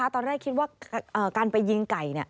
ตอนแรกคิดว่าการไปยิงไก่